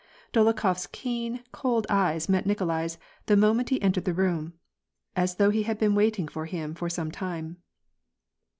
Dolokhof's keen, cold eyes met Nikolai's the moment he en tered the room, as though he had been waiting for him for some time.